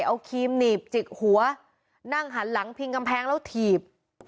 เอาครีมหนีบจิกหัวนั่งหันหลังพิงกำแพงแล้วถีบ